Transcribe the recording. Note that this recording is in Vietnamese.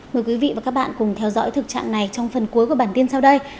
mời quý vị và các bạn cùng theo dõi thực trạng này trong phần cuối của bản tin sau đây